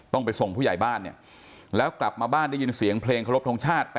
ต้องไปส่งผู้ใหญ่บ้านเนี่ยแล้วกลับมาบ้านได้ยินเสียงเพลงเคารพทงชาติ